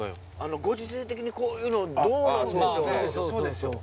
ご時世的にこういうのどうなんでしょう？